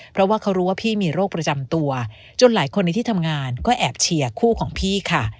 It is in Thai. เพราะว่าเขารู้ว่าพี่มีโรคประจำตัวจนหลายคนในที่ทำงานก็แอบเชียร์คู่ของพี่ค่ะ